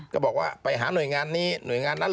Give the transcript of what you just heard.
ก็บอกว่าไปหาหน่วยงานนี้หน่วยงานนั้น